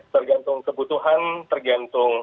tergantung kebutuhan tergantung